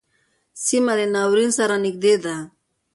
سیمه له ناورین سره نږدې ده.